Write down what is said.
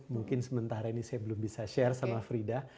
mungkin sementara ini saya belum bisa share sama frida